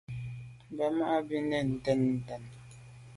Bàm o bo bi bi nèn nta ntàne.